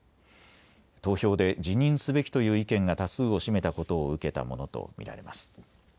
投票で辞任すべきという意見が多数を占めたことを受けたものと見られます。